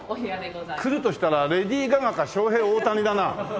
来るとしたらレディー・ガガかショウヘイ・オオタニだな。